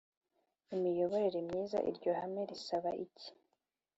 imiyoborere myiza Iryo hame risaba iki